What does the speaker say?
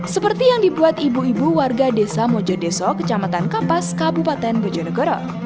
seperti yang dibuat ibu ibu warga desa mojodeso kecamatan kampas kabupaten bojonegoro